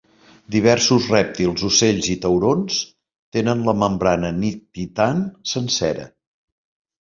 Diversos rèptils, ocells, i taurons tenen la membrana nictitant sencera.